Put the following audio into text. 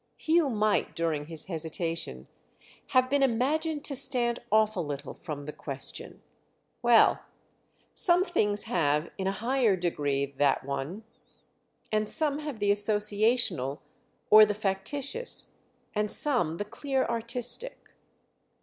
Hugh might, during his hesitation, have been imagined to stand off a little from the question. "Well, some things have in a higher degree that one, and some have the associational or the factitious, and some the clear artistic."